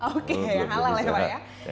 oke yang halal ya pak ya